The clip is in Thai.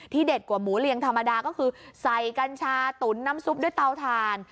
เด็ดกว่าหมูเรียงธรรมดาก็คือใส่กัญชาตุ๋นน้ำซุปด้วยเตาถ่าน